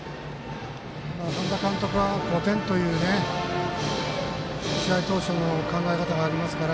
半田監督は５点という試合当初の考え方がありますから。